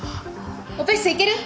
オペ室行ける？